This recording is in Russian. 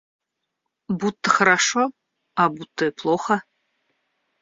Будто хорошо, а будто и плохо.